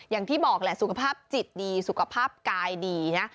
อย่างที่บอกแหละสุขภาพจิตดีสุขภาพกายดีนะ